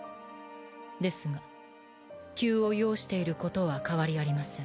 ですが急を要していることは変わりありません。